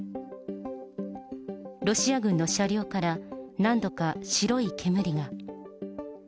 ロシア軍の車両から、何度か白い煙が。